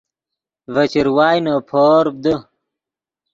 ڤے چروائے نے پورپ دے